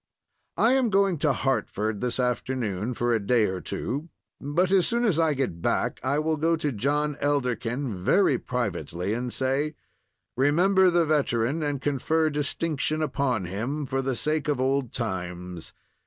I am going to Hartford this afternoon for a day or two, but as soon as I get back I will go to John Elderkin very privately and say: 'Remember the veteran and confer distinction upon him, for the sake of old times.